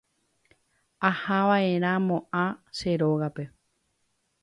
Ahava'erãmo'ã che rógape